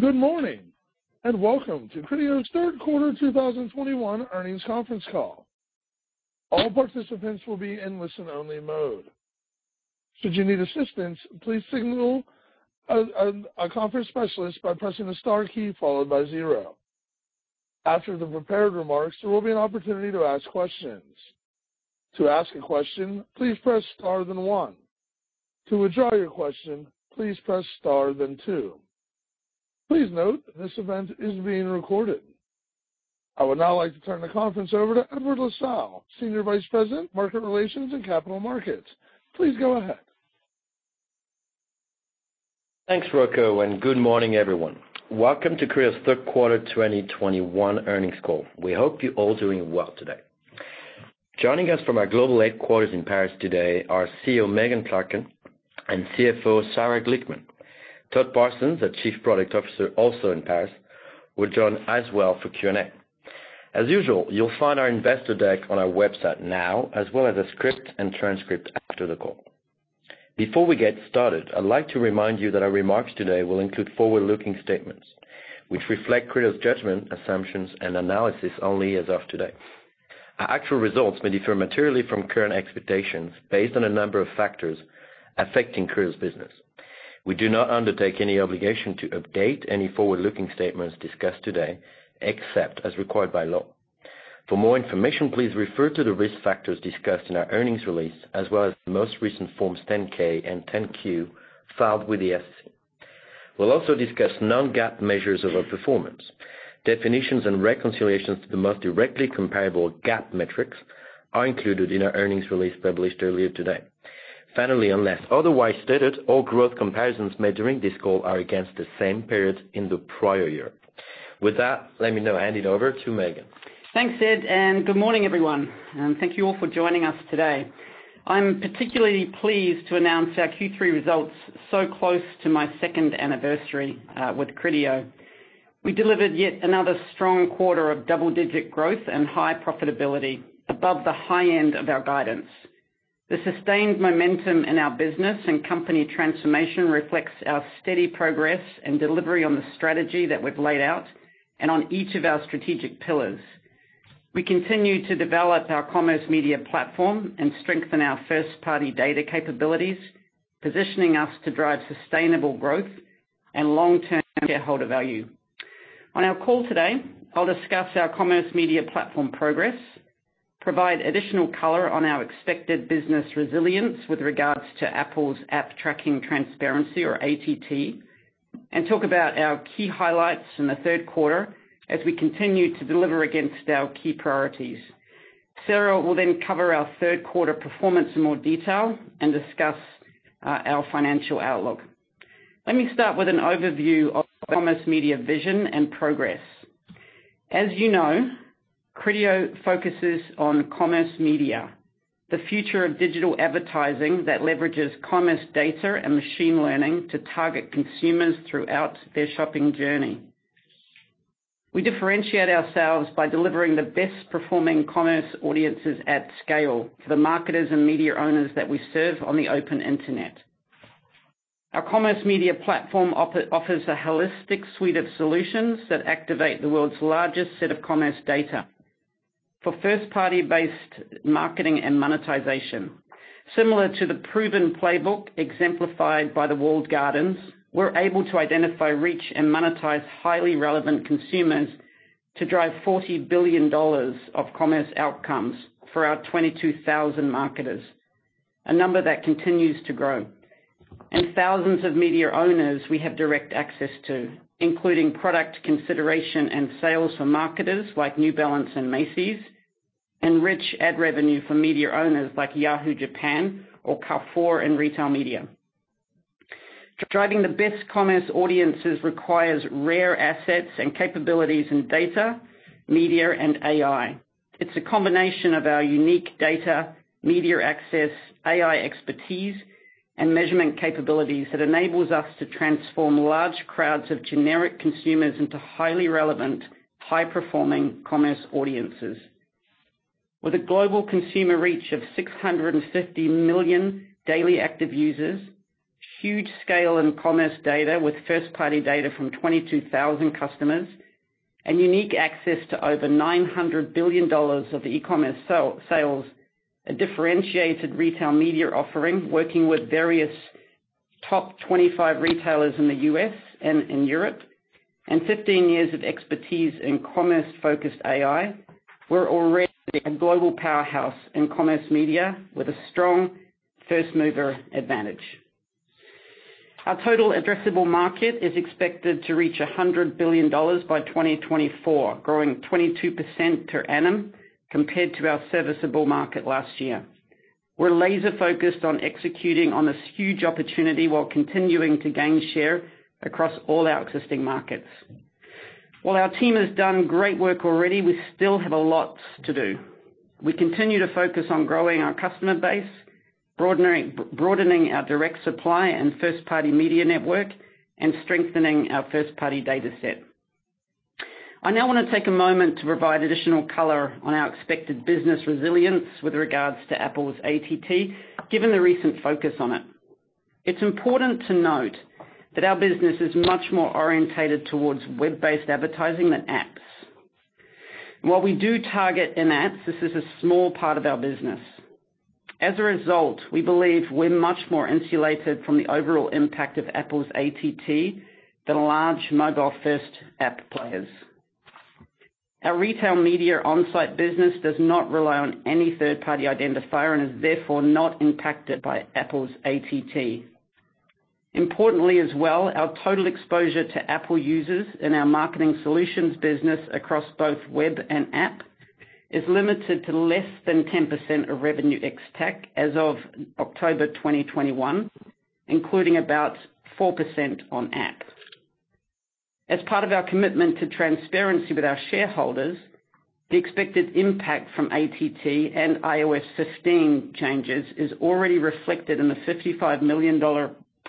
Good morning, and welcome to Criteo's Q3 2021 earnings conference call. All participants will be in listen-only mode. Should you need assistance, please signal a conference specialist by pressing the star key followed by 0. After the prepared remarks, there will be an opportunity to ask questions. To ask a question, please press star then 1. To withdraw your question, please press star then 2. Please note this event is being recorded. I would now like to turn the conference over to Edouard Lassalle, SVP, Market Relations and Capital Markets. Please go ahead. Thanks, Rocco, and good morning, everyone. Welcome to Criteo's Q3 2021 earnings call. We hope you're all doing well today. Joining us from our global headquarters in Paris today are CEO Megan Clarken and CFO Sarah Glickman. Todd Parsons, the Chief Product Officer, also in Paris, will join as well for Q&A. As usual, you'll find our investor deck on our website now, as well as a script and transcript after the call. Before we get started, I'd like to remind you that our remarks today will include forward-looking statements which reflect Criteo's judgment, assumptions, and analysis only as of today. Our actual results may differ materially from current expectations based on a number of factors affecting Criteo's business. We do not undertake any obligation to update any forward-looking statements discussed today, except as required by law. For more information, please refer to the risk factors discussed in our earnings release, as well as the most recent Forms 10-K and 10-Q filed with the SEC. We'll also discuss non-GAAP measures of our performance. Definitions and reconciliations to the most directly comparable GAAP metrics are included in our earnings release published earlier today. Finally, unless otherwise stated, all growth comparisons made during this call are against the same period in the prior year. With that, let me now hand it over to Megan. Thanks, Ed, and good morning, everyone, and thank you all for joining us today. I'm particularly pleased to announce our Q3 results so close to my second anniversary with Criteo. We delivered yet another strong quarter of double-digit growth and high profitability above the high end of our guidance. The sustained momentum in our business and company transformation reflects our steady progress and delivery on the strategy that we've laid out and on each of our strategic pillars. We continue to develop our Commerce Media Platform and strengthen our first-party data capabilities, positioning us to drive sustainable growth and long-term shareholder value. On our call today, I'll discuss our Commerce Media Platform progress, provide additional color on our expected business resilience with regards to Apple's App Tracking Transparency or ATT, and talk about our key highlights in the Q3 as we continue to deliver against our key priorities. Sarah will then cover our Q3 performance in more detail and discuss our financial outlook. Let me start with an overview of commerce media vision and progress. As you know, Criteo focuses on commerce media, the future of digital advertising that leverages commerce data and machine learning to target consumers throughout their shopping journey. We differentiate ourselves by delivering the best performing commerce audiences at scale to the marketers and media owners that we serve on the open internet. Our commerce media platform offers a holistic suite of solutions that activate the world's largest set of commerce data for first-party based marketing and monetization. Similar to the proven playbook exemplified by the Walled Gardens, we're able to identify, reach, and monetize highly relevant consumers to drive $40 billion of commerce outcomes for our 22,000 marketers, a number that continues to grow. Thousands of media owners we have direct access to, including product consideration and sales for marketers like New Balance and Macy's, and rich ad revenue for media owners like Yahoo! Japan or Carrefour and Retail Media. Driving the best commerce audiences requires rare assets and capabilities in data, media, and AI. It's a combination of our unique data, media access, AI expertise, and measurement capabilities that enables us to transform large crowds of generic consumers into highly relevant, high-performing commerce audiences. With a global consumer reach of 650 million daily active users, huge scale in commerce data with first-party data from 22,000 customers and unique access to over $900 billion of e-commerce sales, a differentiated retail media offering working with various Top 25 retailers in the U.S. and in Europe, and 15 years of expertise in commerce-focused AI, we're already a global powerhouse in commerce media with a strong first-mover advantage. Our total addressable market is expected to reach $100 billion by 2024, growing 22% per annum compared to our serviceable market last year. We're laser-focused on executing on this huge opportunity while continuing to gain share across all our existing markets. While our team has done great work already, we still have a lot to do. We continue to focus on growing our customer base, broadening our direct supply and First-Party Media Network, and strengthening our first-party data set. I now want to take a moment to provide additional color on our expected business resilience with regard to Apple's ATT, given the recent focus on it. It's important to note that our business is much more oriented towards web-based advertising than apps. While we do target in-apps, this is a small part of our business. As a result, we believe we're much more insulated from the overall impact of Apple's ATT than large mobile-first app players. Our Retail Media on-site business does not rely on any third-party identifier and is therefore not impacted by Apple's ATT. Importantly as well, our total exposure to Apple users in our marketing solutions business across both web and app is limited to less than 10% of revenue ex-TAC as of October 2021, including about 4% on app. As part of our commitment to transparency with our shareholders, the expected impact from ATT and iOS 15 changes is already reflected in the $55 million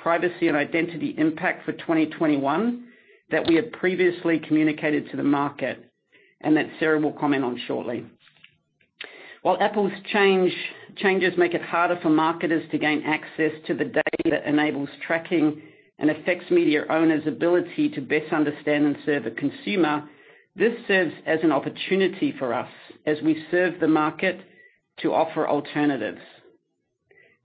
privacy and identity impact for 2021 that we had previously communicated to the market, and that Sarah will comment on shortly. While Apple's changes make it harder for marketers to gain access to the data that enables tracking and affects media owners' ability to best understand and serve a consumer, this serves as an opportunity for us as we serve the market to offer alternatives.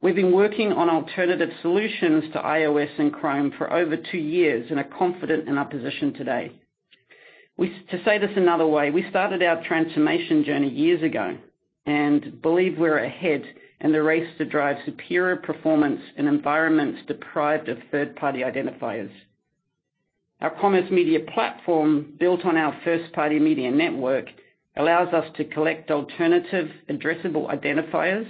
We've been working on alternative solutions to iOS and Chrome for over two years and are confident in our position today. To say this another way, we started our transformation journey years ago and believe we're ahead in the race to drive superior performance in environments deprived of third-party identifiers. Our Commerce Media Platform, built on our First-Party Media Network, allows us to collect alternative addressable identifiers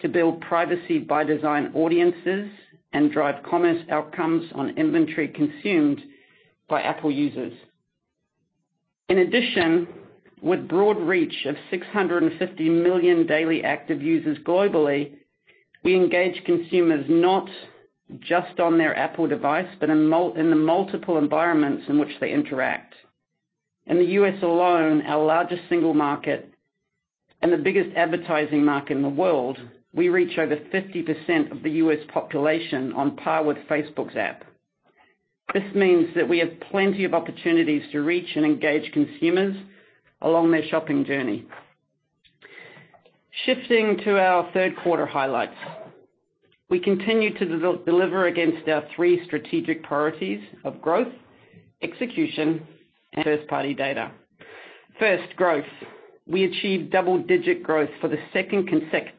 to build privacy-by-design audiences and drive commerce outcomes on inventory consumed by Apple users. In addition, with broad reach of 650 million daily active users globally, we engage consumers not just on their Apple device, but in the multiple environments in which they interact. In the U.S. alone, our largest single market and the biggest advertising market in the world, we reach over 50% of the U.S. population on par with Facebook's app. This means that we have plenty of opportunities to reach and engage consumers along their shopping journey. Shifting to our Q3 highlights. We continue to deliver against our three strategic priorities of growth, execution, and first-party data. First, growth. We achieved double-digit growth for the second consecutive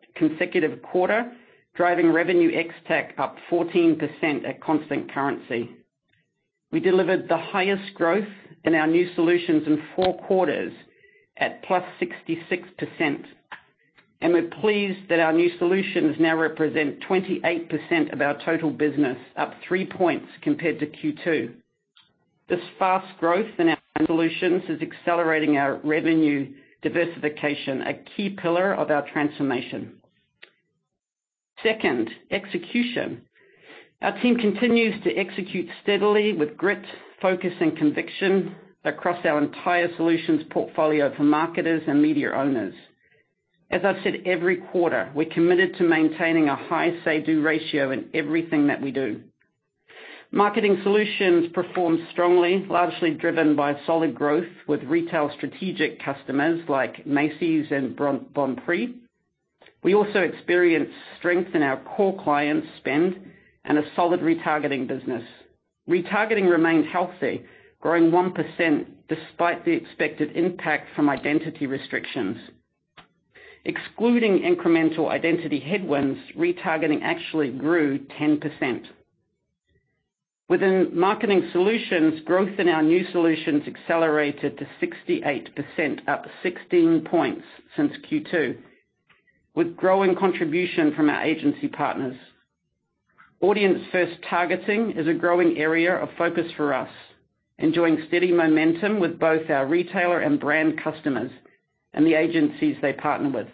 quarter, driving revenue ex-TAC up 14% at constant currency. We delivered the highest growth in our new solutions in four quarters at +66%, and we're pleased that our new solutions now represent 28% of our total business, up three points compared to Q2. This fast growth in our solutions is accelerating our revenue diversification, a key pillar of our transformation. Second, execution. Our team continues to execute steadily with grit, focus, and conviction across our entire solutions portfolio for marketers and media owners. As I've said, every quarter, we're committed to maintaining a high say-do ratio in everything that we do. Marketing Solutions performed strongly, largely driven by solid growth with retail strategic customers like Macy's and Bonprix. We also experienced strength in our core clients' spend and a solid retargeting business. Retargeting remained healthy, growing 1% despite the expected impact from identity restrictions. Excluding incremental identity headwinds, retargeting actually grew 10%. Within Marketing Solutions, growth in our new solutions accelerated to 68%, up 16 points since Q2, with growing contribution from our agency partners. Audience-first targeting is a growing area of focus for us, enjoying steady momentum with both our retailer and brand customers and the agencies they partner with.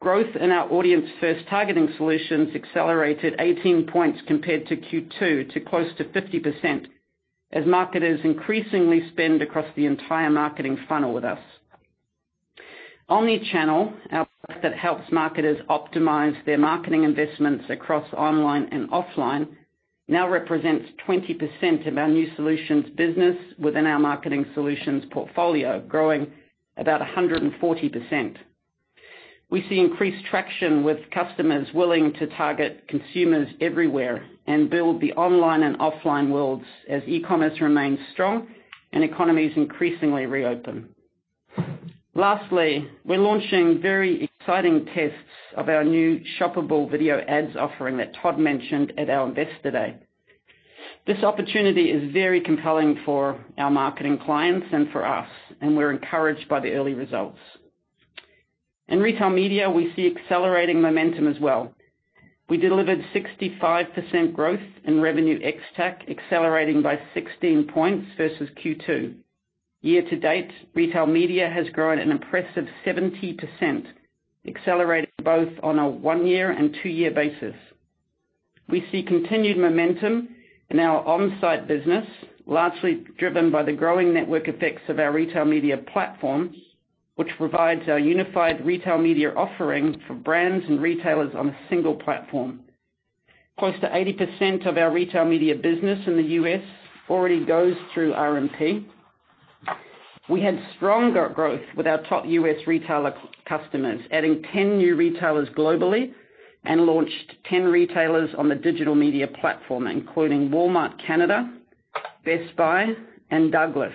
Growth in our audience-first targeting solutions accelerated 18 points compared to Q2 to close to 50% as marketers increasingly spend across the entire marketing funnel with us. Omnichannel, our product that helps marketers optimize their marketing investments across online and offline, now represents 20% of our new solutions business within our marketing solutions portfolio, growing about 140%. We see increased traction with customers willing to target consumers everywhere and build the online and offline worlds as e-commerce remains strong and economies increasingly reopen. Lastly, we're launching very exciting tests of our new shoppable video ads offering that Todd mentioned at our investor day. This opportunity is very compelling for our marketing clients and for us, and we're encouraged by the early results. In Retail Media, we see accelerating momentum as well. We delivered 65% growth in revenue ex-TAC, accelerating by 16 points versus Q2. Year to date, retail media has grown an impressive 70%, accelerating both on a one-year and two-year basis. We see continued momentum in our on-site business, largely driven by the growing network effects of our retail media platform, which provides our unified retail media offering for brands and retailers on a single platform. Close to 80% of our retail media business in the U.S. already goes through RMP. We had stronger growth with our top U.S. retailer customers, adding 10 new retailers globally and launched 10 retailers on the digital media platform, including Walmart Canada, Best Buy, and Douglas.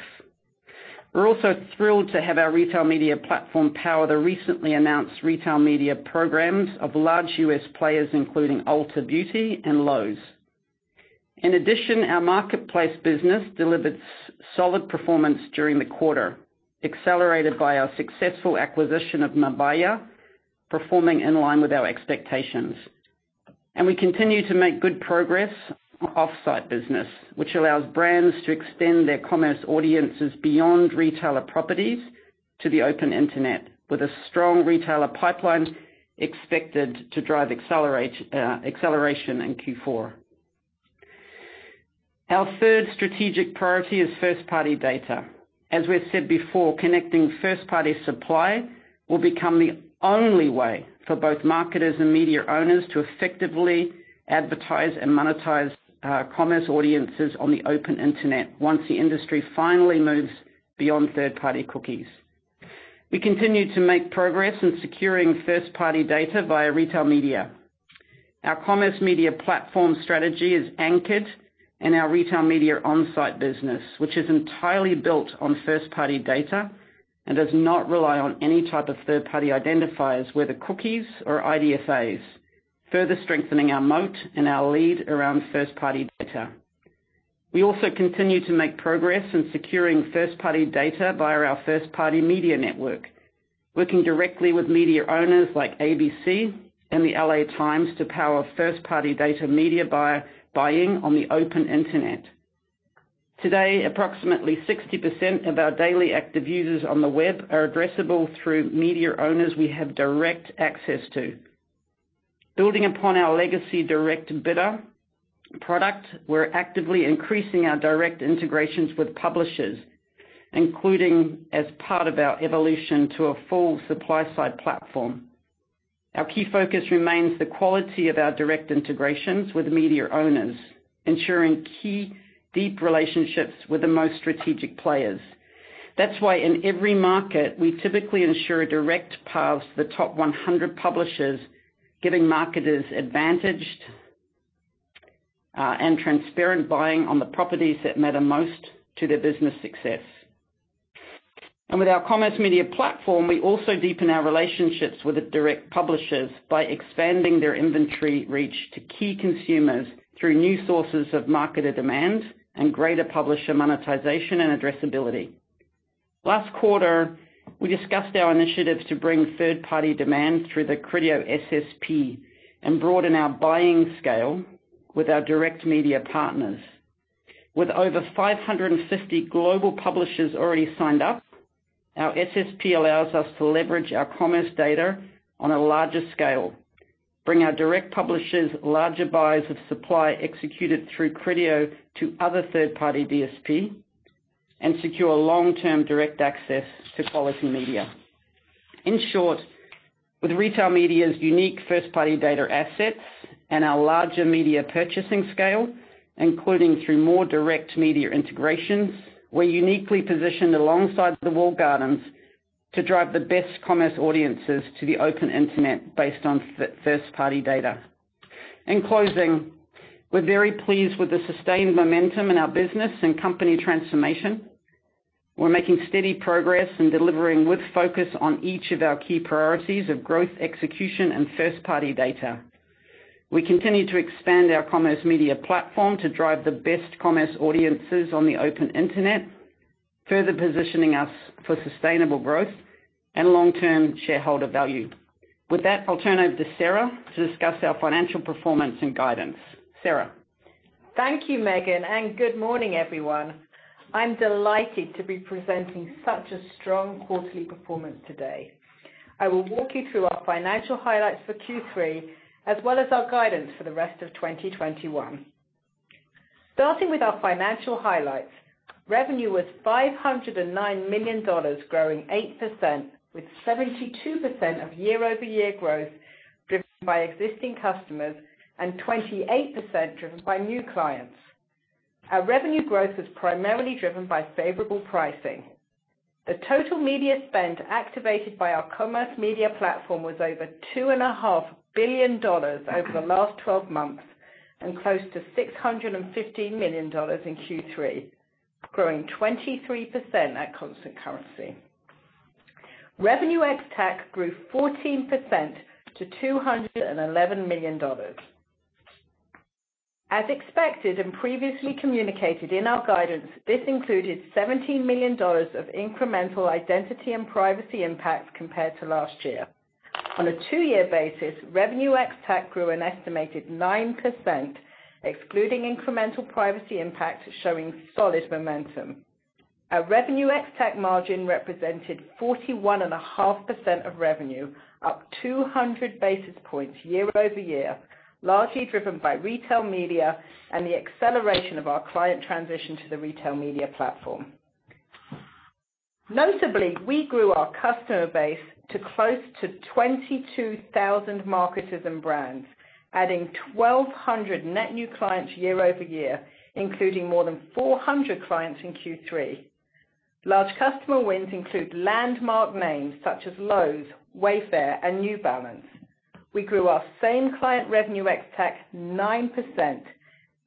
We're also thrilled to have our retail media platform power the recently announced retail media programs of large U.S. players, including Ulta Beauty and Lowe's. In addition, our marketplace business delivered solid performance during the quarter, accelerated by our successful acquisition of Mabaya, performing in line with our expectations. We continue to make good progress on off-site business, which allows brands to extend their commerce audiences beyond retailer properties to the open internet with a strong retailer pipeline expected to drive acceleration in Q4. Our third strategic priority is first-party data. As we've said before, connecting first-party supply will become the only way for both marketers and media owners to effectively advertise and monetize commerce audiences on the open internet once the industry finally moves beyond third-party cookies. We continue to make progress in securing first-party data via Retail Media. Our Commerce Media Platform strategy is anchored in our Retail Media on-site business, which is entirely built on first-party data and does not rely on any type of third-party identifiers, whether cookies or IDFAs, further strengthening our moat and our lead around first-party data. We also continue to make progress in securing first-party data via our First-Party Media Network, working directly with media owners like ABC and The L.A. Times to power first-party data media buy, buying on the open internet. Today, approximately 60% of our daily active users on the web are addressable through media owners we have direct access to. Building upon our legacy Direct Bidder product, we're actively increasing our direct integrations with publishers, including as part of our evolution to a full supply-side platform. Our key focus remains the quality of our direct integrations with media owners, ensuring key deep relationships with the most strategic players. That's why in every market, we typically ensure direct paths to the top 100 publishers, giving marketers advantaged, and transparent buying on the properties that matter most to their business success. With our Commerce Media Platform, we also deepen our relationships with the direct publishers by expanding their inventory reach to key consumers through new sources of marketed demand and greater publisher monetization and addressability. Last quarter, we discussed our initiatives to bring third-party demand through the Criteo SSP and broaden our buying scale with our direct media partners. With over 550 global publishers already signed up, our SSP allows us to leverage our commerce data on a larger scale, bring our direct publishers larger buyers of supply executed through Criteo to other third-party DSP, and secure long-term direct access to quality media. In short, with Retail Media's unique first-party data assets and our larger media purchasing scale, including through more direct media integrations, we're uniquely positioned alongside the walled gardens to drive the best commerce audiences to the open internet based on first-party data. In closing, we're very pleased with the sustained momentum in our business and company transformation. We're making steady progress in delivering with focus on each of our key priorities of growth, execution, and first-party data. We continue to expand our Commerce Media Platform to drive the best commerce audiences on the open internet, further positioning us for sustainable growth and long-term shareholder value. With that, I'll turn over to Sarah to discuss our financial performance and guidance. Sarah? Thank you, Megan, and good morning, everyone. I'm delighted to be presenting such a strong quarterly performance today. I will walk you through our financial highlights for Q3, as well as our guidance for the rest of 2021. Starting with our financial highlights, revenue was $509 million, growing 8% with 72% of year-over-year growth driven by existing customers and 28% driven by new clients. Our revenue growth was primarily driven by favorable pricing. The total media spend activated by our Commerce Media Platform was over $2.5 billion over the last twelve months and close to $615 million in Q3, growing 23% at constant currency. Revenue ex-TAC grew 14% to $211 million. As expected and previously communicated in our guidance, this included $17 million of incremental identity and privacy impacts compared to last year. On a two-year basis, revenue ex-TAC grew an estimated 9%, excluding incremental privacy impact, showing solid momentum. Our revenue ex-TAC margin represented 41.5% of revenue, up 200 basis points year-over-year, largely driven by retail media and the acceleration of our client transition to the retail media platform. Notably, we grew our customer base to close to 22,000 marketers and brands, adding 1,200 net new clients year-over-year, including more than 400 clients in Q3. Large customer wins include landmark names such as Lowe's, Wayfair, and New Balance. We grew our same-client revenue ex-TAC 9%,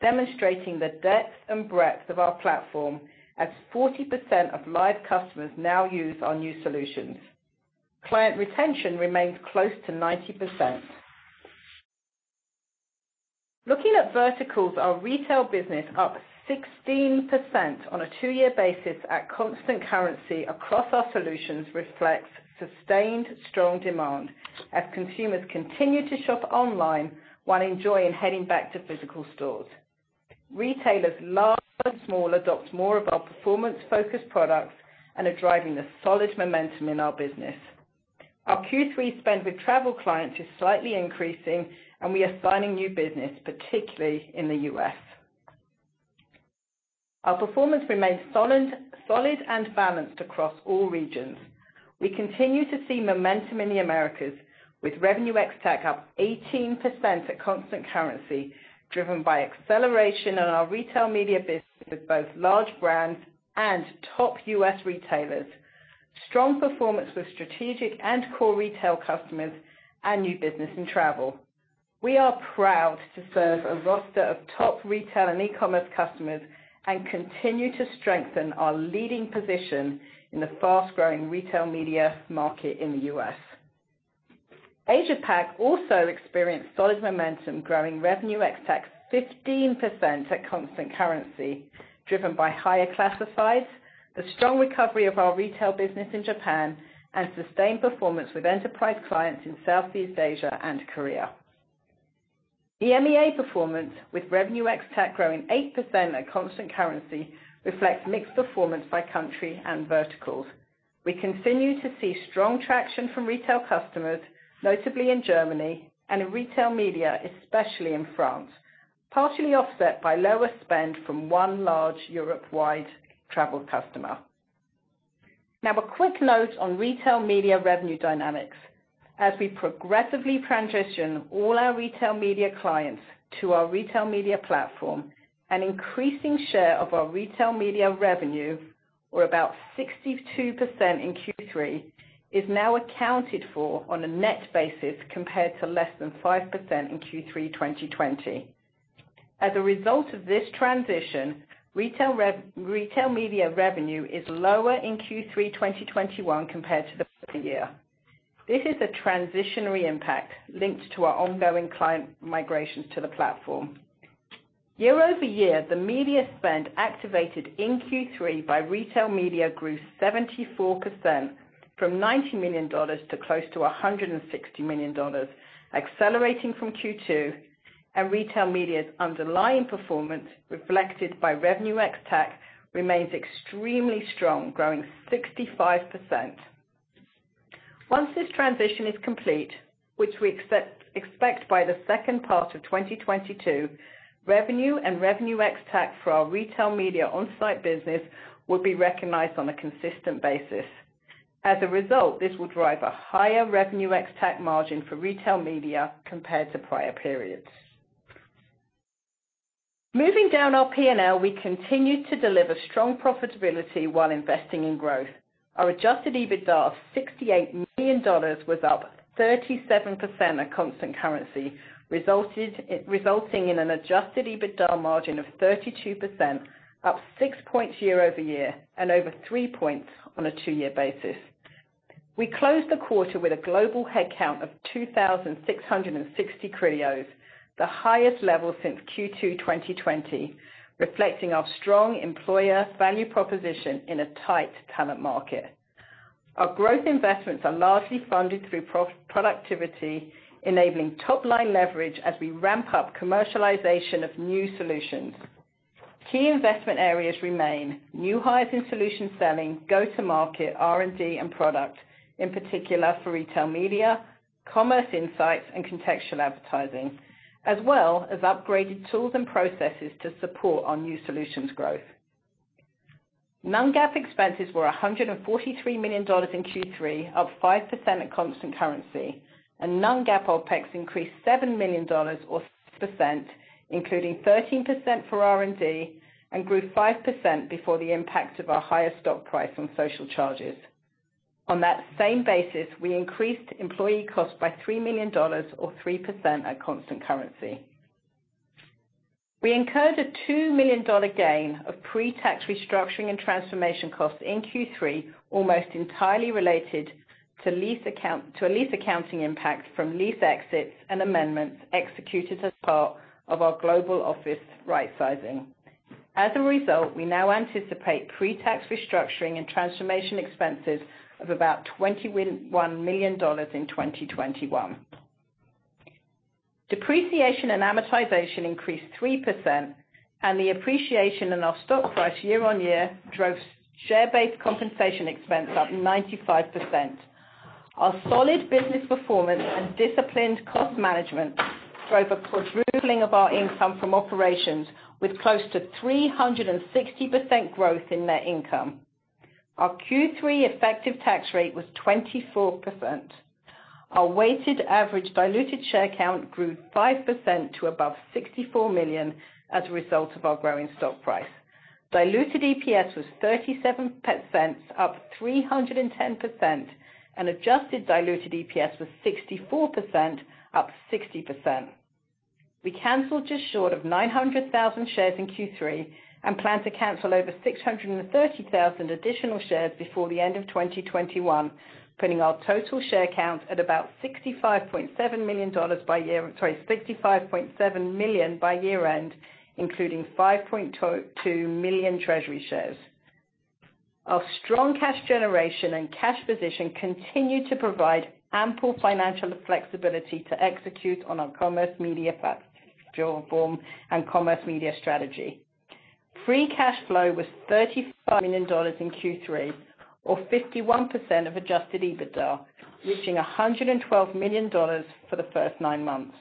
demonstrating the depth and breadth of our platform as 40% of live customers now use our new solutions. Client retention remains close to 90%. Looking at verticals, our retail business up 16% on a two-year basis at constant currency across our solutions reflects sustained strong demand as consumers continue to shop online while enjoying heading back to physical stores. Retailers large and small adopt more of our performance-focused products and are driving the solid momentum in our business. Our Q3 spend with travel clients is slightly increasing, and we are signing new business, particularly in the U.S. Our performance remains solid and balanced across all regions. We continue to see momentum in the Americas, with revenue ex-TAC up 18% at constant currency, driven by acceleration on our retail media business, both large brands and top U.S. retailers. Strong performance with strategic and core retail customers and new business in travel. We are proud to serve a roster of top retail and e-commerce customers and continue to strengthen our leading position in the fast-growing retail media market in the U.S. Asia Pac also experienced solid momentum, growing revenue ex-TAC 15% at constant currency, driven by higher classifieds, the strong recovery of our retail business in Japan, and sustained performance with enterprise clients in Southeast Asia and Korea. EMEA performance with revenue ex-TAC growing 8% at constant currency reflects mixed performance by country and verticals. We continue to see strong traction from retail customers, notably in Germany and in retail media, especially in France, partially offset by lower spend from one large Europe-wide travel customer. Now a quick note on retail media revenue dynamics. As we progressively transition all our retail media clients to our retail media platform, an increasing share of our retail media revenue, or about 62% in Q3, is now accounted for on a net basis compared to less than 5% in Q3 2020. As a result of this transition, retail media revenue is lower in Q3 2021 compared to the previous year. This is a transitory impact linked to our ongoing client migrations to the platform. Year-over-year, the media spend activated in Q3 by Retail Media grew 74% from $90 million to close to $160 million, accelerating from Q2, and Retail Media's underlying performance reflected by revenue ex-TAC remains extremely strong, growing 65%. Once this transition is complete, which we expect by the second part of 2022, revenue and revenue ex-TAC for our Retail Media on-site business will be recognized on a consistent basis. As a result, this will drive a higher revenue ex-TAC margin for Retail Media compared to prior periods. Moving down our P&L, we continue to deliver strong profitability while investing in growth. Our Adjusted EBITDA of $68 million was up 37% at constant currency, resulting in an Adjusted EBITDA margin of 32%, up 6 points year-over-year and over 3 points on a 2-year basis. We closed the quarter with a global headcount of 2,660 Criteo's, the highest level since Q2 2020, reflecting our strong employer value proposition in a tight talent market. Our growth investments are largely funded through pro-productivity, enabling top-line leverage as we ramp up commercialization of new solutions. Key investment areas remain new hires in solution selling, go-to-market, R&D, and product, in particular for Retail Media, Commerce Insights, and contextual advertising, as well as upgraded tools and processes to support our new solutions growth. Non-GAAP expenses were $143 million in Q3, up 5% at constant currency, and non-GAAP OpEx increased $7 million or 6%, including 13% for R&D, and grew 5% before the impact of our higher stock price on social charges. On that same basis, we increased employee costs by $3 million or 3% at constant currency. We incurred a $2 million gain on pre-tax restructuring and transformation costs in Q3, almost entirely related to lease accounting impact from lease exits and amendments executed as part of our global office rightsizing. As a result, we now anticipate pre-tax restructuring and transformation expenses of about $21 million in 2021. Depreciation and amortization increased 3%, and the appreciation in our stock price year-over-year drove share-based compensation expense up 95%. Our solid business performance and disciplined cost management drove a quadrupling of our income from operations with close to 360% growth in net income. Our Q3 effective tax rate was 24%. Our weighted average diluted share count grew 5% to above 64 million as a result of our growing stock price. Diluted EPS was $0.37, up 310%, and adjusted diluted EPS was $0.64, up 60%. We canceled just short of 900,000 shares in Q3 and plan to cancel over 630,000 additional shares before the end of 2021, putting our total share count at about 65.7 million dollars by year. Sorry, 65.7 million by year-end, including 5.2 million treasury shares. Our strong cash generation and cash position continue to provide ample financial flexibility to execute on our Commerce Media Platform and commerce media strategy. Free cash flow was $35 million in Q3, or 51% of adjusted EBITDA, reaching $112 million for the first nine months.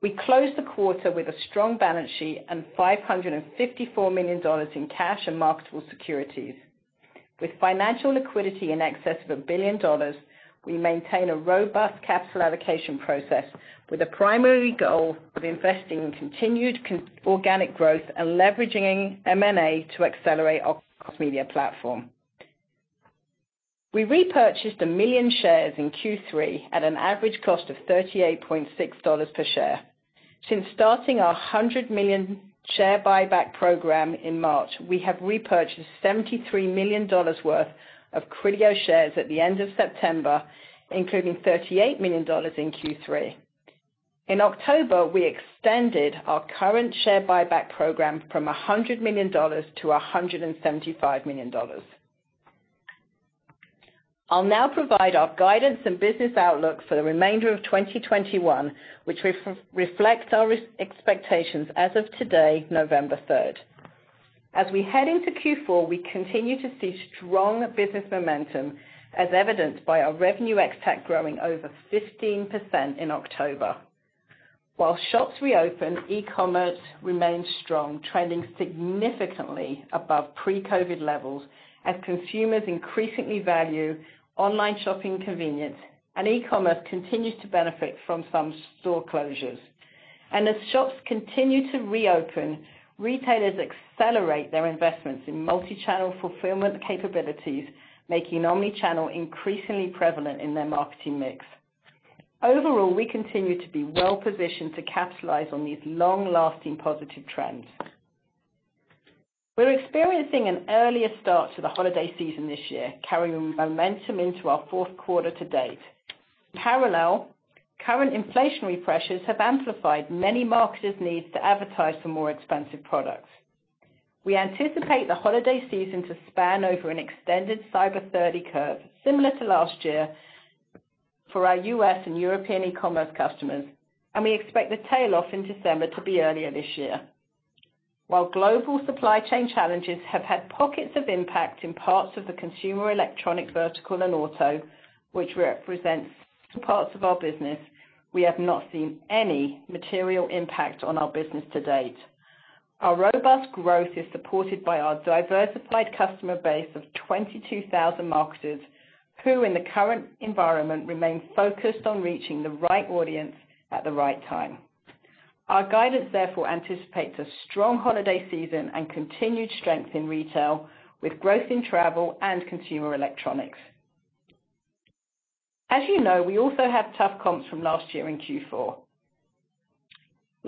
We closed the quarter with a strong balance sheet and $554 million in cash and marketable securities. With financial liquidity in excess of $1 billion, we maintain a robust capital allocation process with a primary goal of investing in continued organic growth and leveraging M&A to accelerate our Commerce Media Platform. We repurchased 1 million shares in Q3 at an average cost of $38.6 per share. Since starting our $100 million share buyback program in March, we have repurchased $73 million worth of Criteo shares at the end of September, including $38 million in Q3. In October, we extended our current share buyback program from $100 million to $175 million. I'll now provide our guidance and business outlook for the remainder of 2021, which reflects our expectations as of today, November 3. As we head into Q4, we continue to see strong business momentum as evidenced by our revenue ex-TAC growing over 15% in October. While shops reopen, e-commerce remains strong, trending significantly above pre-COVID levels as consumers increasingly value online shopping convenience and e-commerce continues to benefit from some store closures. Shops continue to reopen, retailers accelerate their investments in multi-channel fulfillment capabilities, making omnichannel increasingly prevalent in their marketing mix. Overall, we continue to be well-positioned to capitalize on these long-lasting positive trends. We're experiencing an earlier start to the holiday season this year, carrying momentum into our Q4 to date. In parallel, current inflationary pressures have amplified many marketers' needs to advertise for more expensive products. We anticipate the holiday season to span over an extended Cyber 30 curve, similar to last year for our U.S. and European e-commerce customers, and we expect the tail off in December to be earlier this year. While global supply chain challenges have had pockets of impact in parts of the consumer electronics vertical and auto, which represents 2% of our business, we have not seen any material impact on our business to date. Our robust growth is supported by our diversified customer base of 22,000 marketers who, in the current environment, remain focused on reaching the right audience at the right time. Our guidance, therefore, anticipates a strong holiday season and continued strength in retail, with growth in travel and consumer electronics. As you know, we also have tough comps from last year in Q4.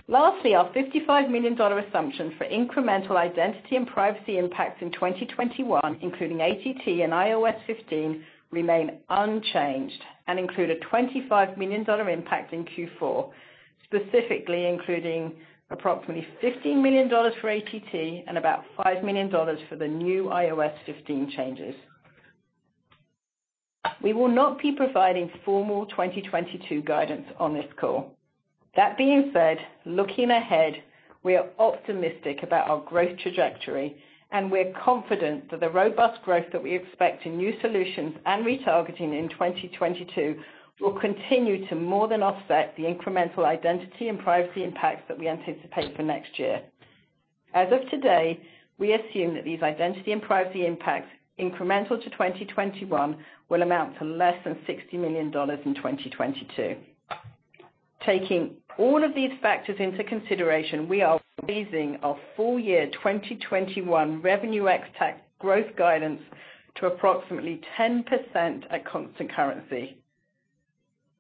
Lastly, our $55 million assumption for incremental identity and privacy impacts in 2021, including ATT and iOS 15, remain unchanged and include a $25 million impact in Q4, specifically including approximately $15 million for ATT and about $5 million for the new iOS 15 changes. We will not be providing formal 2022 guidance on this call. That being said, looking ahead, we are optimistic about our growth trajectory, and we're confident that the robust growth that we expect in new solutions and retargeting in 2022 will continue to more than offset the incremental identity and privacy impacts that we anticipate for next year. As of today, we assume that these identity and privacy impacts incremental to 2021 will amount to less than $60 million in 2022. Taking all of these factors into consideration, we are raising our full year 2021 revenue ex-TAC growth guidance to approximately 10% at constant currency.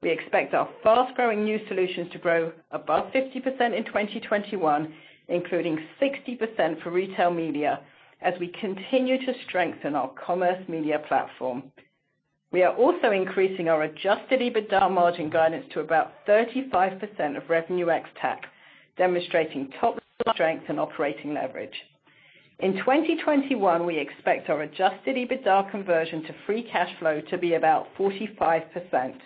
We expect our fast-growing new solutions to grow above 50% in 2021, including 60% for Retail Media, as we continue to strengthen our Commerce Media Platform. We are also increasing our Adjusted EBITDA margin guidance to about 35% of revenue ex-TAC, demonstrating top-line strength and operating leverage. In 2021, we expect our Adjusted EBITDA conversion to free cash flow to be about 45%.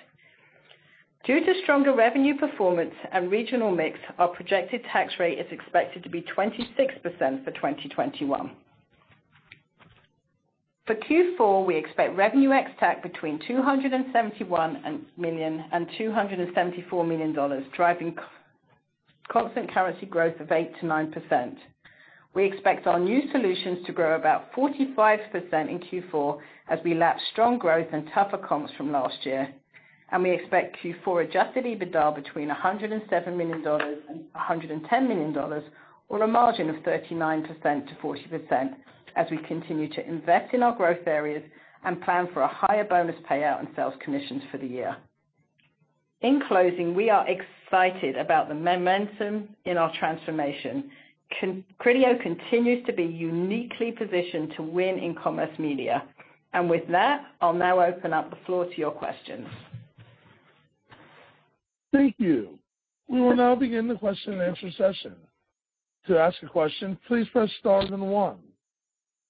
Due to stronger revenue performance and regional mix, our projected tax rate is expected to be 26% for 2021. For Q4, we expect revenue ex-TAC between $271 million and $274 million, driving constant currency growth of 8%-9%. We expect our new solutions to grow about 45% in Q4 as we lap strong growth and tougher comps from last year. We expect Q4 Adjusted EBITDA between $107 million and $110 million or a margin of 39%-40% as we continue to invest in our growth areas and plan for a higher bonus payout and sales commissions for the year. In closing, we are excited about the momentum in our transformation. Criteo continues to be uniquely positioned to win in commerce media. With that, I'll now open up the floor to your questions. Thank you. We will now begin the question-and-answer session. To ask a question, please press star then one.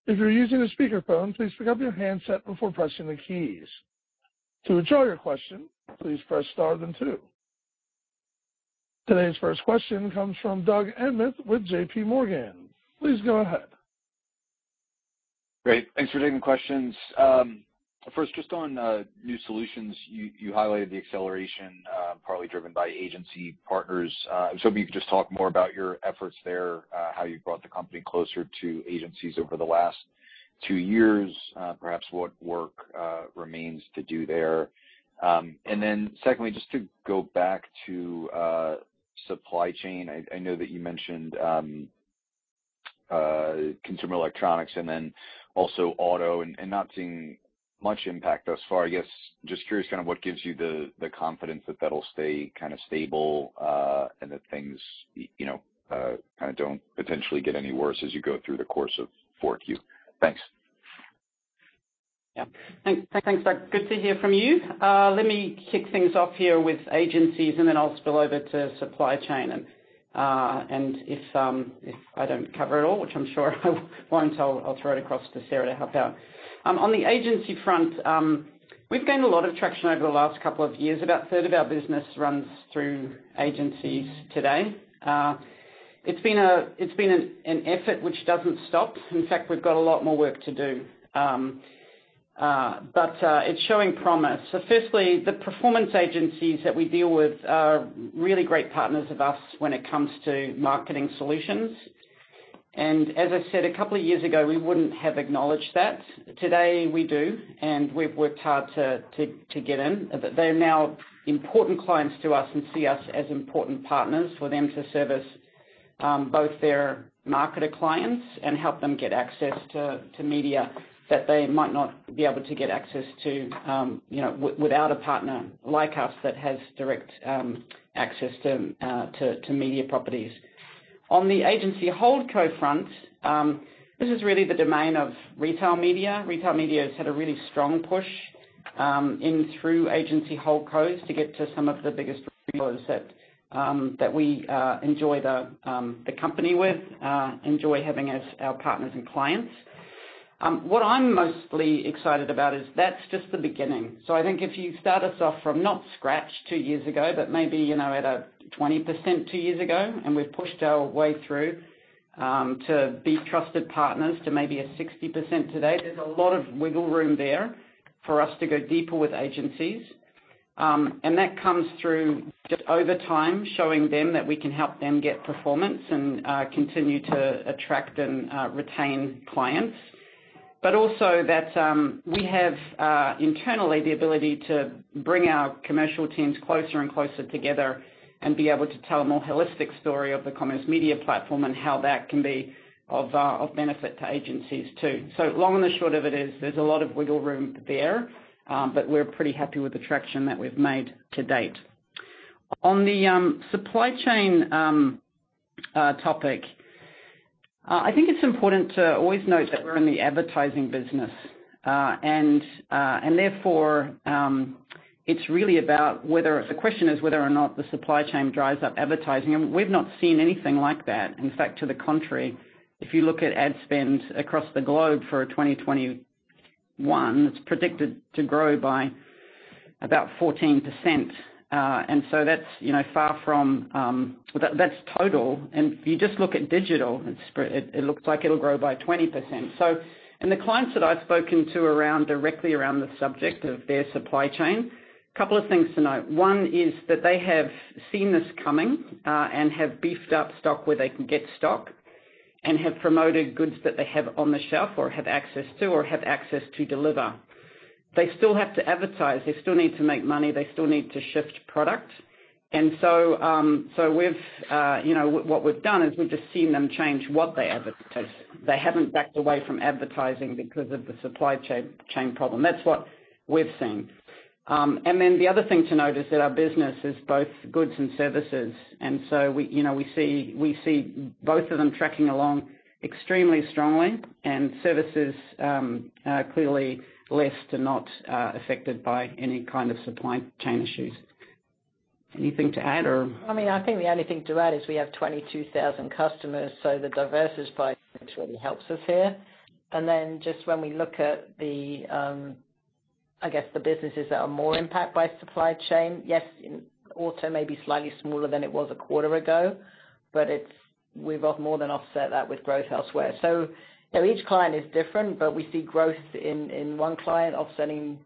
If you're using a speakerphone, please pick up your handset before pressing the keys. To withdraw your question, please press star then two. Today's first question comes from Doug Anmuth with J.P. Morgan. Please go ahead. Great. Thanks for taking the questions. First, just on new solutions, you highlighted the acceleration, partly driven by agency partners. Was hoping you could just talk more about your efforts there, how you've brought the company closer to agencies over the last two years, perhaps what work remains to do there. And then secondly, just to go back to supply chain. I know that you mentioned consumer electronics and then also auto and not seeing much impact thus far. I guess, just curious kind of what gives you the confidence that that'll stay kind of stable, and that things you know kind of don't potentially get any worse as you go through the course of Q4. Thanks. Thanks, Doug. Good to hear from you. Let me kick things off here with agencies, and then I'll spill over to supply chain. If I don't cover it all, which I'm sure I won't, I'll throw it across to Sarah to help out. On the agency front, we've gained a lot of traction over the last couple of years. About a third of our business runs through agencies today. It's been an effort which doesn't stop. In fact, we've got a lot more work to do. It's showing promise. Firstly, the performance agencies that we deal with are really great partners of us when it comes to marketing solutions. As I said, a couple of years ago, we wouldn't have acknowledged that. Today, we do, and we've worked hard to get in. They're now important clients to us and see us as important partners for them to service both their marketer clients and help them get access to media that they might not be able to get access to, you know, without a partner like us that has direct access to media properties. On the agency holdco front, this is really the domain of Retail Media. Retail Media has had a really strong push in through agency holdcos to get to some of the biggest retailers that we enjoy having as our partners and clients. What I'm mostly excited about is that's just the beginning. I think if you start us off from not scratch two years ago, but maybe, you know, at a 20% two years ago, and we've pushed our way through to be trusted partners to maybe a 60% today, there's a lot of wiggle room there for us to go deeper with agencies. And that comes through just over time, showing them that we can help them get performance and continue to attract and retain clients. But also that we have internally the ability to bring our commercial teams closer and closer together and be able to tell a more holistic story of the Commerce Media Platform and how that can be of benefit to agencies too. Long and short of it is there's a lot of wiggle room there, but we're pretty happy with the traction that we've made to date. On the supply chain topic, I think it's important to always note that we're in the advertising business. Therefore, it's really about if the question is whether or not the supply chain dries up advertising, and we've not seen anything like that. In fact, to the contrary, if you look at ad spend across the globe for 2021, it's predicted to grow by about 14%. That's, you know, far from. That's total. If you just look at digital, it looks like it'll grow by 20%. The clients that I've spoken to around, directly around the subject of their supply chain, couple of things to note. One is that they have seen this coming and have beefed up stock where they can get stock and have promoted goods that they have on the shelf or have access to deliver. They still have to advertise. They still need to make money. They still need to shift product. You know, what we've done is we've just seen them change what they advertise. They haven't backed away from advertising because of the supply chain problem. That's what we've seen. The other thing to note is that our business is both goods and services. We, you know, we see both of them tracking along extremely strongly. Services, clearly less so, not affected by any kind of supply chain issues. Anything to add or? I mean, I think the only thing to add is we have 22,000 customers, so the diversity by which really helps us here. Just when we look at the, I guess the businesses that are more impacted by supply chain, yes, in auto may be slightly smaller than it was a quarter ago, but we've more than offset that with growth elsewhere. Each client is different, but we see growth in one client offsetting,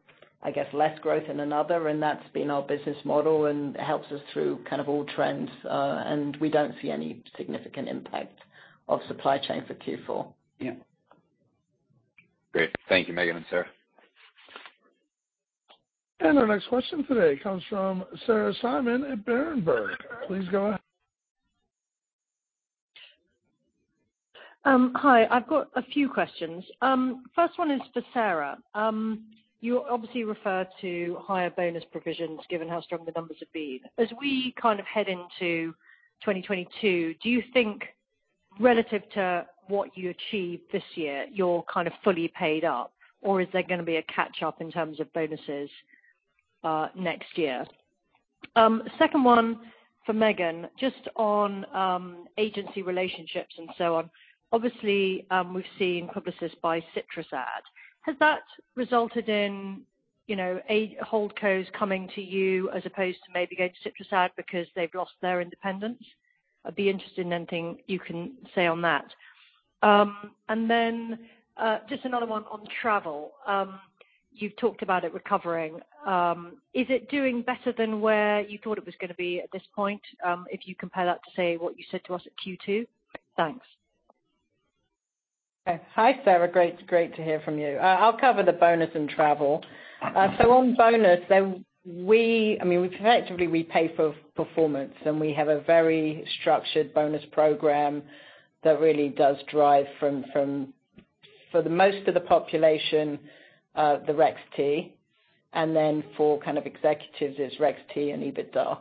I guess, less growth in another. That's been our business model, and it helps us through kind of all trends, and we don't see any significant impact of supply chain for Q4. Yeah. Great. Thank you, Megan and Sarah. Our next question today comes from Sarah Simon at Berenberg. Please go ahead. Hi. I've got a few questions. First one is for Sarah. You obviously refer to higher bonus provisions given how strong the numbers have been. As we kind of head into 2022, do you think relative to what you achieved this year, you're kind of fully paid up? Or is there gonna be a catch-up in terms of bonuses next year? Second one for Megan, just on agency relationships and so on. Obviously, we've seen Publicis buy CitrusAd. Has that resulted in, you know, holding cos coming to you as opposed to maybe going to CitrusAd because they've lost their independence? I'd be interested in anything you can say on that. And then just another one on travel. You've talked about it recovering. Is it doing better than where you thought it was gonna be at this point, if you compare that to, say, what you said to us at Q2? Thanks. Hi, Sarah. Great to hear from you. I'll cover the bonus and travel. On bonus, I mean, effectively, we pay for performance, and we have a very structured bonus program that really does drive from for the most of the population, the RexT, and then for kind of executives, it's RexT and EBITDA.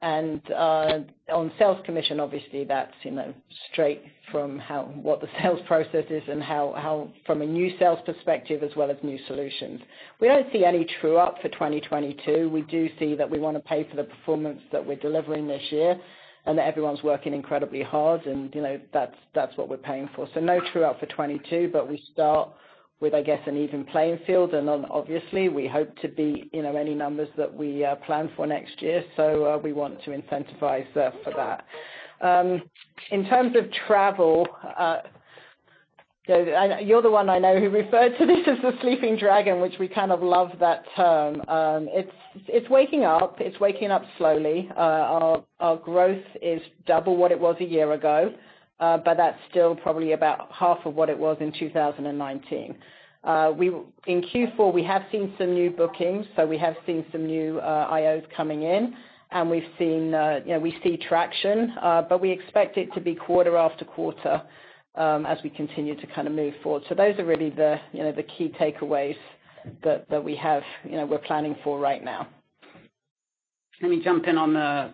On sales commission, obviously, that's, you know, straight from what the sales process is and how from a new sales perspective as well as new solutions. We don't see any true-up for 2022. We do see that we wanna pay for the performance that we're delivering this year and that everyone's working incredibly hard and, you know, that's what we're paying for. No true-up for 2022, but we start with, I guess, an even playing field. Obviously, we hope to beat, you know, any numbers that we plan for next year. We want to incentivize for that. In terms of travel, you're the one I know who referred to this as the sleeping dragon, which we kind of love that term. It's waking up. It's waking up slowly. Our growth is double what it was a year ago, but that's still probably about half of what it was in 2019. In Q4, we have seen some new bookings, we have seen some new IOs coming in, and we've seen traction, but we expect it to be quarter after quarter, as we continue to kind of move forward. Those are really the, you know, the key takeaways that we have, you know, we're planning for right now. Let me jump in on the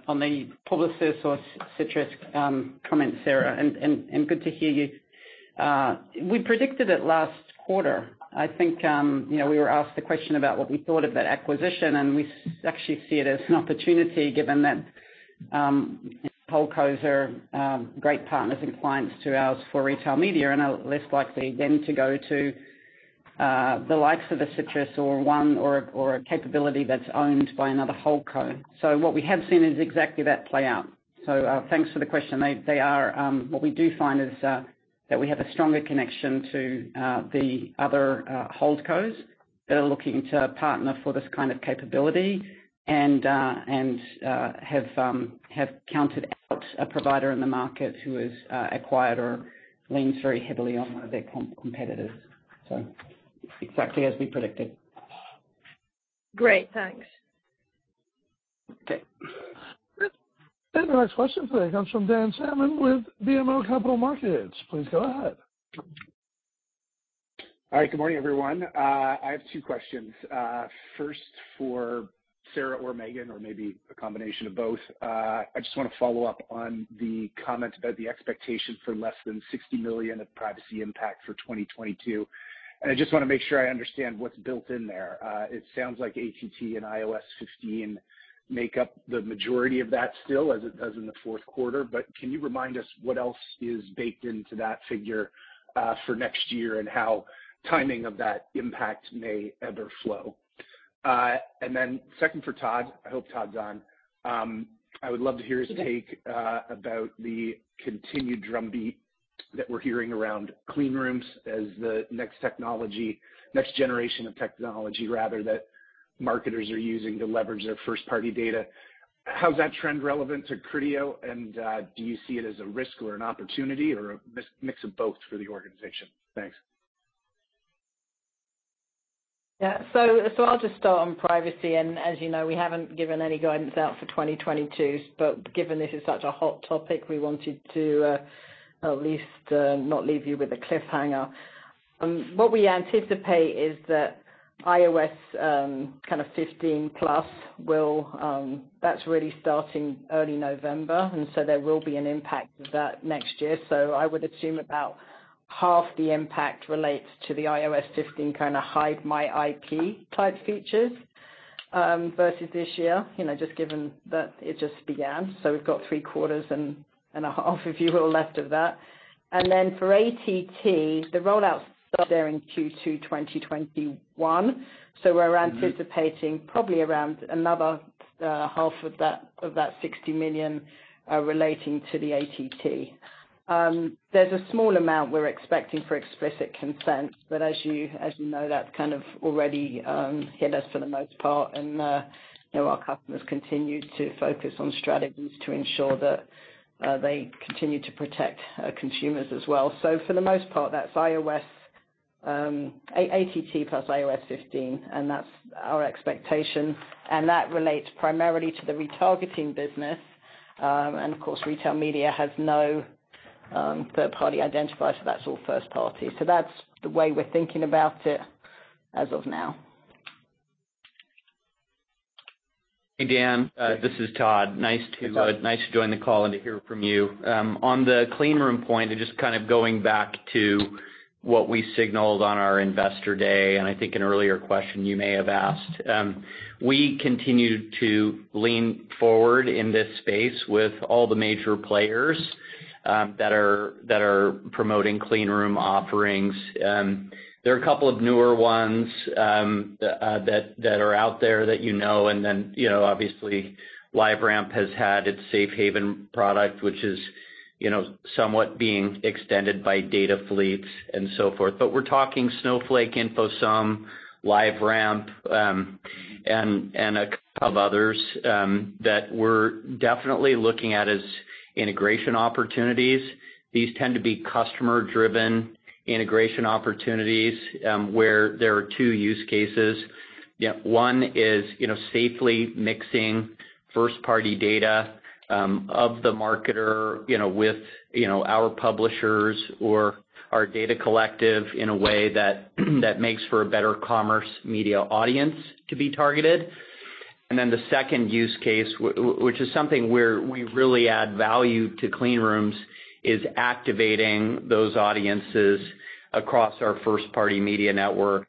Publicis or Citrus comment, Sarah. Good to hear you. We predicted it last quarter. I think you know, we were asked a question about what we thought of that acquisition, and we actually see it as an opportunity given that hold cos are great partners and clients to ours for retail media and are less likely then to go to the likes of a Citrus or a capability that's owned by another hold co. What we have seen is exactly that play out. Thanks for the question. They are... What we do find is that we have a stronger connection to the other hold cos that are looking to partner for this kind of capability and have counted out a provider in the market who is acquired or leans very heavily on one of their competitors. Exactly as we predicted. Great. Thanks. Okay. The next question today comes from Dan Salmon with BMO Capital Markets. Please go ahead. All right. Good morning, everyone. I have two questions. First for Sarah or Megan, or maybe a combination of both. I just wanna follow up on the comment about the expectation for less than 60 million of privacy impact for 2022. I just wanna make sure I understand what's built in there. It sounds like ATT and iOS 15 make up the majority of that still as it does in the Q4. Can you remind us what else is baked into that figure for next year and how timing of that impact may ebb or flow? Second for Todd. I hope Todd's on. I would love to hear his take about the continued drumbeat that we're hearing around clean rooms as the next technology, next generation of technology rather, that marketers are using to leverage their first-party data. How's that trend relevant to Criteo? Do you see it as a risk or an opportunity or a mix of both for the organization? Thanks. I'll just start on privacy. As you know, we haven't given any guidance out for 2022. Given this is such a hot topic, we wanted to at least not leave you with a cliffhanger. What we anticipate is that iOS 15 plus, that's really starting early November, and there will be an impact of that next year. I would assume about Half the impact relates to the iOS 15 kind of hide my IP type features versus this year, you know, just given that it just began. We've got three quarters and a half, if you will, left of that. Then for ATT, the rollout started there in Q2 2021. We're anticipating probably around another half of that 60 million relating to the ATT. There's a small amount we're expecting for explicit consent, but as you know, that's kind of already hit us for the most part. Our customers continue to focus on strategies to ensure that they continue to protect our consumers as well. For the most part, that's iOS ATT plus iOS 15, and that's our expectation. That relates primarily to the retargeting business. Of course, Retail Media has no third-party identifier, so that's all first-party. That's the way we're thinking about it as of now. Hey, Dan, this is Todd. Nice to- Hey, Todd. nice to join the call and to hear from you. On the clean rooms point, just kind of going back to what we signaled on our investor day, and I think an earlier question you may have asked. We continue to lean forward in this space with all the major players that are promoting clean rooms offerings. There are a couple of newer ones that are out there that you know, and then you know, obviously LiveRamp has had its Safe Haven product, which is you know, somewhat being extended by DataFleets and so forth. We're talking Snowflake, InfoSum, LiveRamp, and a couple of others that we're definitely looking at as integration opportunities. These tend to be customer-driven integration opportunities where there are two use cases. Yeah, one is, you know, safely mixing first-party data of the marketer, you know, with, you know, our publishers or our data collective in a way that makes for a better commerce media audience to be targeted. Then the second use case, which is something where we really add value to clean rooms, is activating those audiences across our First-Party Media Network.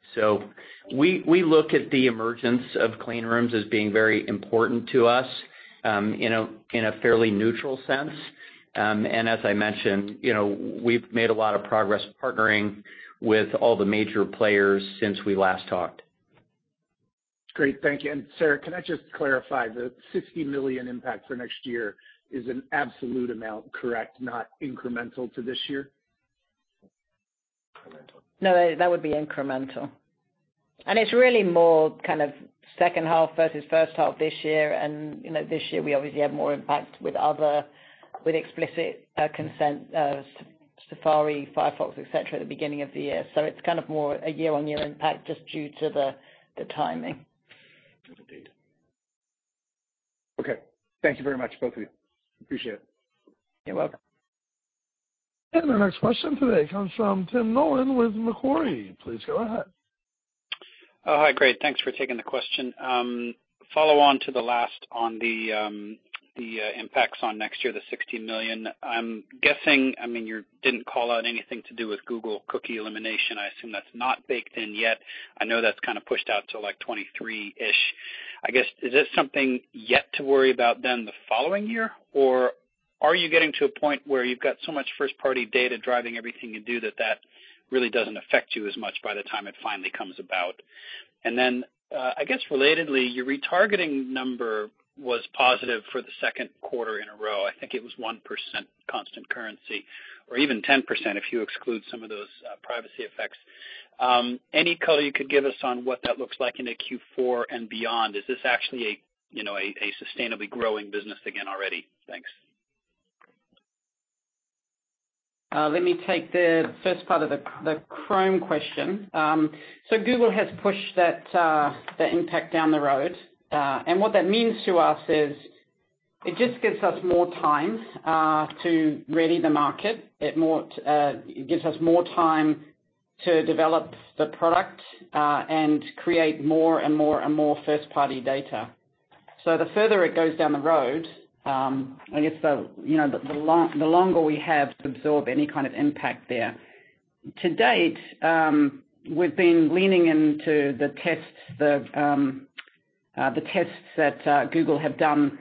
We look at the emergence of clean rooms as being very important to us in a fairly neutral sense. As I mentioned, you know, we've made a lot of progress partnering with all the major players since we last talked. Great. Thank you. Sarah, can I just clarify, the 60 million impact for next year is an absolute amount, correct, not incremental to this year? No, that would be incremental. It's really more kind of second half versus first half this year. You know, this year we obviously have more impact with other, with explicit consent, Safari, Firefox, etc., at the beginning of the year. It's kind of more a year-on-year impact just due to the timing. Indeed. Okay. Thank you very much, both of you. Appreciate it. You're welcome. Our next question today comes from Tim Nollen with Macquarie. Please go ahead. Oh, hi. Great, thanks for taking the question. Follow on to the last on the impacts on next year, the 60 million. I'm guessing, I mean, you didn't call out anything to do with Google cookie elimination. I assume that's not baked in yet. I know that's kind of pushed out to, like, 2023-ish. I guess, is this something yet to worry about then the following year? Or are you getting to a point where you've got so much first-party data driving everything you do that that really doesn't affect you as much by the time it finally comes about? Then, I guess relatedly, your retargeting number was positive for the Q2 in a row. I think it was 1% constant currency, or even 10% if you exclude some of those privacy effects. Any color you could give us on what that looks like into Q4 and beyond? Is this actually a, you know, a sustainably growing business again already? Thanks. Let me take the first part of the Chrome question. Google has pushed that impact down the road. What that means to us is it just gives us more time to ready the market. It gives us more time to develop the product and create more and more first-party data. The further it goes down the road, I guess, you know, the longer we have to absorb any kind of impact there. To date, we've been leaning into the tests that Google have done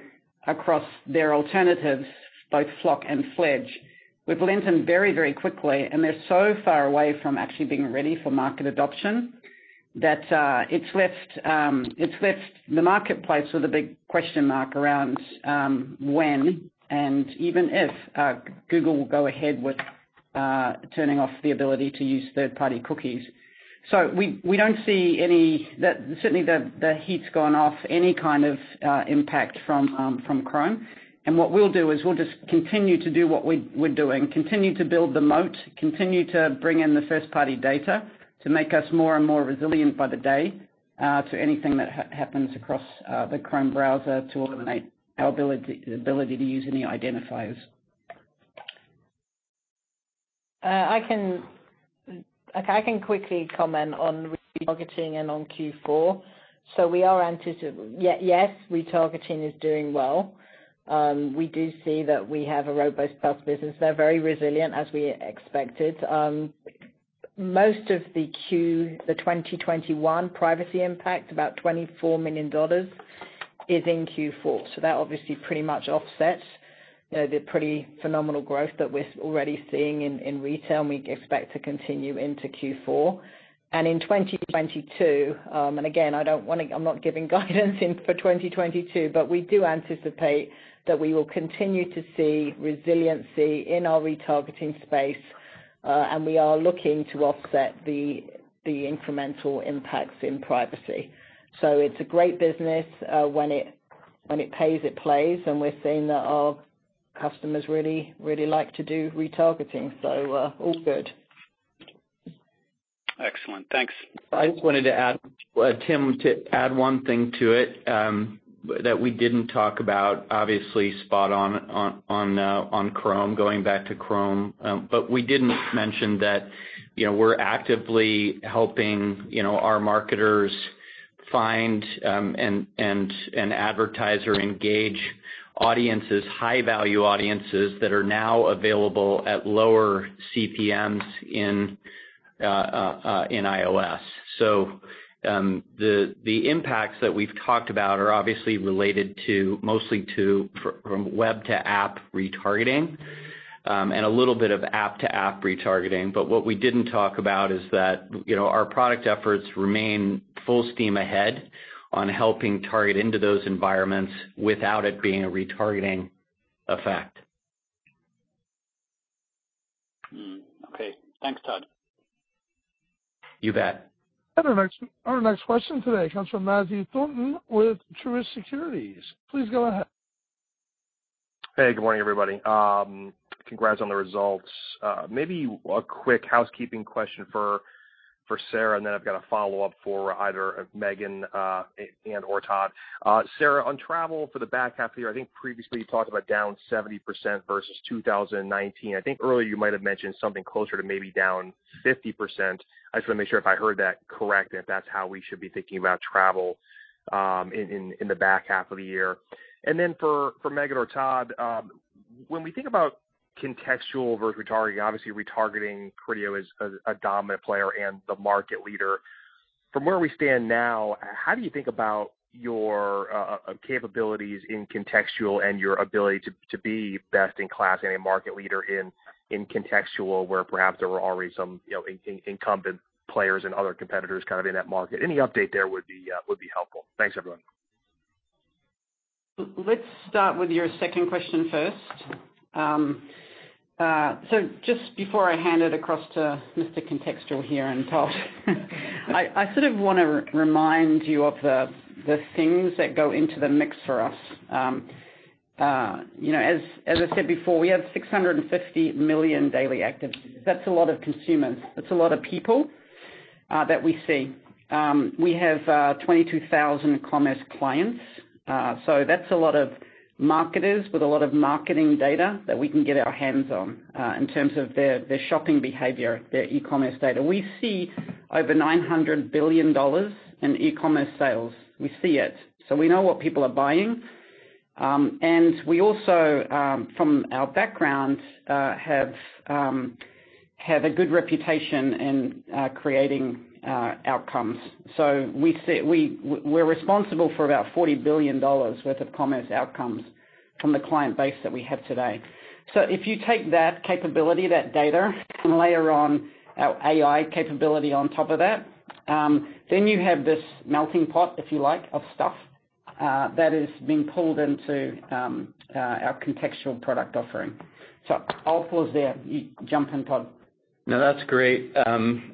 across their alternatives, both FLoC and FLEDGE. We've leaned in very, very quickly, and they're so far away from actually being ready for market adoption that it's left the marketplace with a big question mark around when, and even if, Google will go ahead with turning off the ability to use third-party cookies. So we don't see any. That certainly, the heat's gone off any kind of impact from Chrome. What we'll do is we'll just continue to do what we're doing. Continue to build the moat, continue to bring in the first-party data to make us more and more resilient by the day to anything that happens across the Chrome browser to eliminate our ability to use any identifiers. I can Okay, I can quickly comment on retargeting and on Q4. Yes, retargeting is doing well. We do see that we have a robust business. They're very resilient, as we expected. Most of the 2021 privacy impact, about $24 million is in Q4. That obviously pretty much offsets, you know, the pretty phenomenal growth that we're already seeing in retail, and we expect to continue into Q4. In 2022, and again, I don't wanna, I'm not giving guidance in for 2022, but we do anticipate that we will continue to see resiliency in our retargeting space, and we are looking to offset the incremental impacts in privacy. It's a great business, when it pays, it plays, and we're seeing that our customers really like to do retargeting. All good. Excellent. Thanks. I just wanted to add, Tim, one thing to it, that we didn't talk about, obviously spot on Chrome, going back to Chrome. We didn't mention that, you know, we're actively helping, you know, our marketers find, and advertise or engage audiences, high-value audiences that are now available at lower CPMs in iOS. The impacts that we've talked about are obviously related mostly from web to app retargeting, and a little bit of app-to-app retargeting. What we didn't talk about is that, you know, our product efforts remain full steam ahead on helping target into those environments without it being a retargeting effect. Okay. Thanks, Todd. You bet. Our next question today comes from Matthew Thornton with Truist Securities. Please go ahead. Hey, good morning, everybody. Congrats on the results. Maybe a quick housekeeping question for Sarah, and then I've got a follow-up for either Megan and/or Todd. Sarah, on travel for the back half of the year, I think previously you talked about down 70% versus 2019. I think earlier you might have mentioned something closer to maybe down 50%. I just wanna make sure if I heard that correct, if that's how we should be thinking about travel in the back half of the year. Then for Megan or Todd, when we think about contextual versus retargeting, obviously retargeting, Criteo is a dominant player and the market leader. From where we stand now, how do you think about your capabilities in contextual and your ability to be best in class and a market leader in contextual where perhaps there were already some, you know, incumbent players and other competitors kind of in that market? Any update there would be helpful. Thanks, everyone. Let's start with your second question first. Just before I hand it across to Mr. Contextual here and Todd, I sort of want to remind you of the things that go into the mix for us. You know, as I said before, we have 650 million daily actives. That's a lot of consumers. That's a lot of people that we see. We have 22 commerce clients. So that's a lot of marketers with a lot of marketing data that we can get our hands on in terms of their shopping behavior, their e-commerce data. We see over $900 billion in e-commerce sales. We see it, so we know what people are buying. We also, from our backgrounds, have a good reputation in creating outcomes. We're responsible for about $40 billion worth of commerce outcomes from the client base that we have today. If you take that capability, that data, and layer on our AI capability on top of that, then you have this melting pot, if you like, of stuff that is being pulled into our contextual product offering. I'll pause there. You jump in, Todd. No, that's great.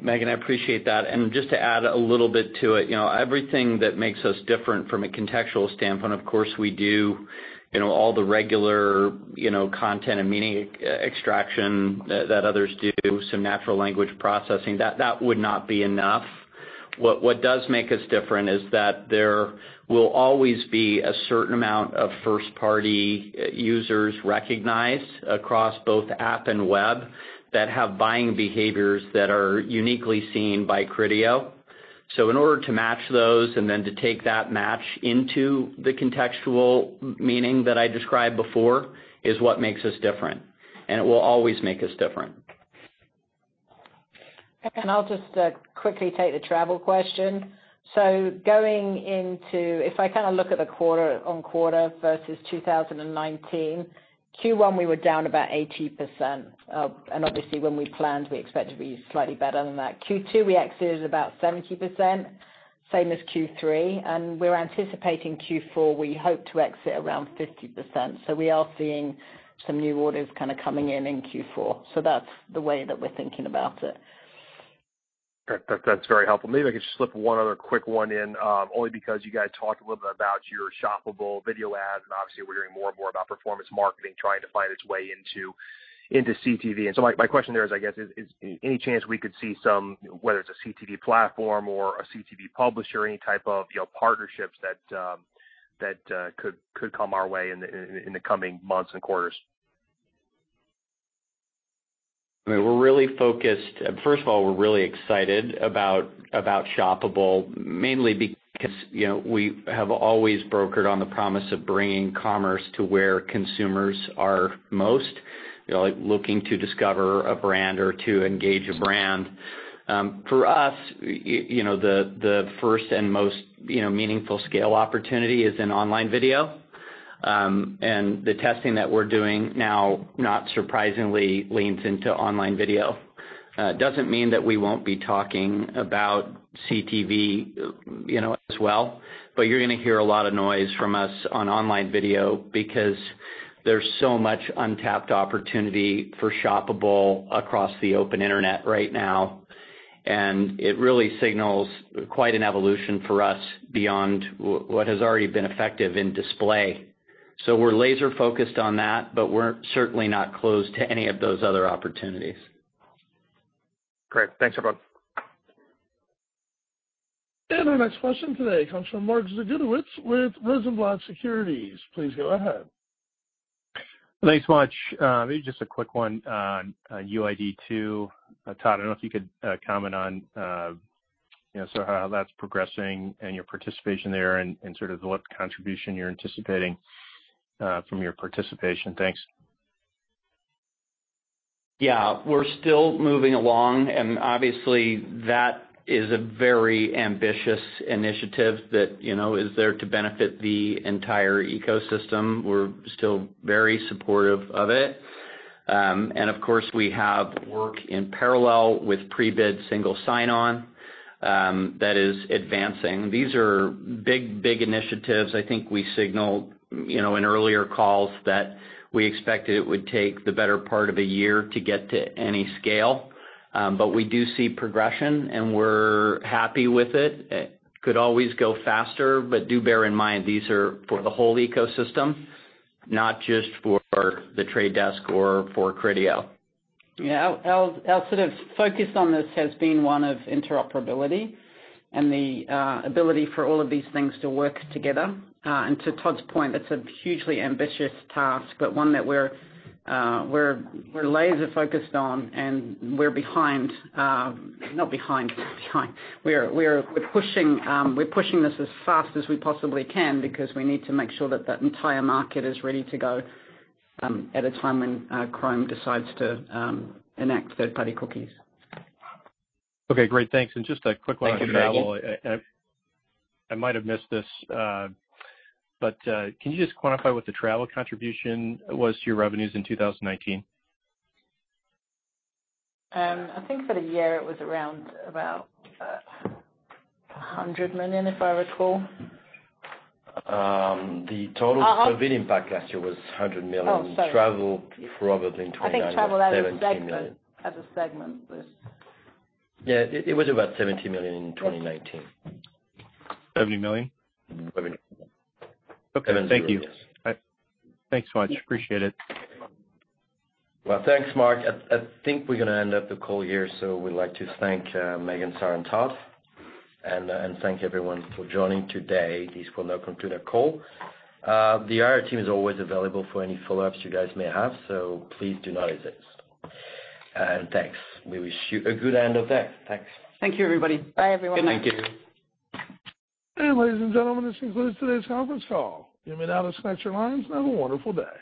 Megan, I appreciate that. Just to add a little bit to it, you know, everything that makes us different from a contextual standpoint, of course we do, you know, all the regular, you know, content and meaning extraction that others do, some natural language processing. That would not be enough. What does make us different is that there will always be a certain amount of first-party users recognized across both app and web that have buying behaviors that are uniquely seen by Criteo. In order to match those and then to take that match into the contextual meaning that I described before is what makes us different, and it will always make us different. I'll just quickly take the travel question. Going into. If I kinda look at the quarter-over-quarter versus 2019, Q1 we were down about 80%. Obviously when we planned, we expect to be slightly better than that. Q2 we exited about 70%, same as Q3, and we're anticipating Q4, we hope to exit around 50%. We are seeing some new orders kinda coming in in Q4. That's the way that we're thinking about it. That's very helpful. Maybe I can just slip one other quick one in, only because you guys talked a little bit about your shoppable video ads, and obviously we're hearing more and more about performance marketing trying to find its way into CTV. My question there is, I guess, is any chance we could see some, whether it's a CTV platform or a CTV publisher or any type of, you know, partnerships that could come our way in the coming months and quarters? I mean, we're really excited about shoppable, mainly because, you know, we have always banked on the promise of bringing commerce to where consumers are most, like, looking to discover a brand or to engage a brand. For us, you know, the first and most, you know, meaningful scale opportunity is in online video. The testing that we're doing now, not surprisingly, leans into online video. It doesn't mean that we won't be talking about CTV, you know, as well, but you're gonna hear a lot of noise from us on online video because there's so much untapped opportunity for shoppable across the open internet right now, and it really signals quite an evolution for us beyond what has already been effective in display. We're laser focused on that, but we're certainly not closed to any of those other opportunities. Great. Thanks, everyone. Our next question today comes from Mark Zgutowicz with Rosenblatt Securities. Please go ahead. Thanks so much. Maybe just a quick one on UID 2.0. Todd, I don't know if you could comment on, you know, so how that's progressing and your participation there and sort of what contribution you're anticipating from your participation. Thanks. Yeah. We're still moving along and obviously that is a very ambitious initiative that, you know, is there to benefit the entire ecosystem. We're still very supportive of it. Of course we have work in parallel with Prebid single sign-on, that is advancing. These are big initiatives. I think we signaled, you know, in earlier calls that we expected it would take the better part of a year to get to any scale. We do see progression, and we're happy with it. It could always go faster, but do bear in mind, these are for the whole ecosystem, not just for The Trade Desk or for Criteo. Yeah. Our sort of focus on this has been one of interoperability and the ability for all of these things to work together. To Todd's point, that's a hugely ambitious task, but one that we're laser focused on and we're behind, not behind. We're pushing this as fast as we possibly can because we need to make sure that the entire market is ready to go at a time when Chrome decides to enact third-party cookies. Okay. Great. Thanks. Just a quick one on travel. Thank you, Mark. I might have missed this, but can you just quantify what the travel contribution was to your revenues in 2019? I think for the year, it was around about $100 million, if I recall. The total COVID impact last year was 100 million. Oh, sorry. Travel probably in 29 million or 17 million. I think travel as a segment was. Yeah. It was about $70 million in 2019. 70 million? 70. Okay. Thank you. Yes. Thanks so much. Appreciate it. Well, thanks, Mark. I think we're gonna end up the call here, so we'd like to thank Megan, Sarah, and Todd, and thank everyone for joining today. This will now conclude our call. The IR team is always available for any follow-ups you guys may have, so please do not hesitate. Thanks. We wish you a good end of day. Thanks. Thank you, everybody. Bye, everyone. Thank you. Ladies and gentlemen, this concludes today's conference call. You may now disconnect your lines. Have a wonderful day.